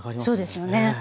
そうですよね。